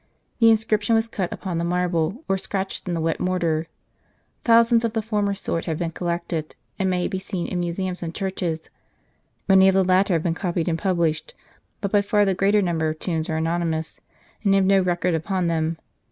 The inscription was cut upon the marble, or scratched in the wet mortar. Thou sands of the former sort have been collected, and may be seen in museums and churches; many of the latter have been A loculus, closed. copied and published; but by far the greater number of tombs are anonymous, and have no record upon them.